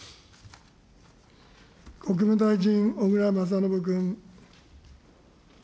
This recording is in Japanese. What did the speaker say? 国務大臣、小倉將信君。